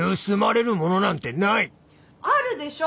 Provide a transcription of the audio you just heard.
あるでしょ！